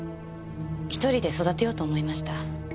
１人で育てようと思いました。